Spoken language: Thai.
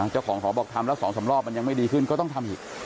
เจ้าของหอบอกทำแล้ว๒๓รอบมันยังไม่ดีขึ้นก็ต้องทำอีก